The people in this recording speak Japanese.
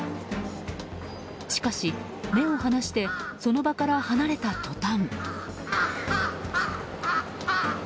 しかし、目を離してその場から離れた途端。